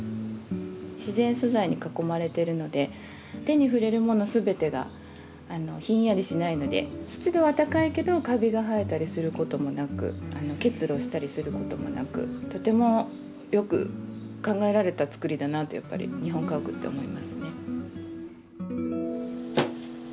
自然素材に囲まれてるので手に触れる物全てがひんやりしないので湿度は高いけどかびが生えたりすることもなく結露したりすることもなくとてもよく考えられた造りだなってやっぱり日本家屋って思いますね。